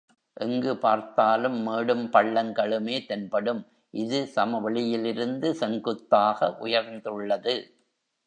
எங்கு பார்த்தாலும் மேடும் பள்ளங்களுமே தென்படும், இது சமவெளியிலிருந்து செங்குத்தாக உயர்ந்துள்ளது.